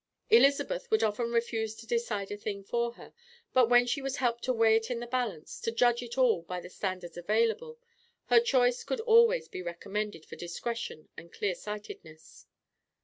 Elizabeth would often refuse to decide a thing for her, but when she was helped to weigh it in the balance, to judge it by all the standards available, her choice could always be recommended for discretion and clear sightedness.